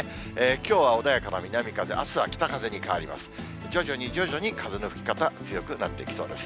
きょうは穏やかな南風、あすは北風に変わります。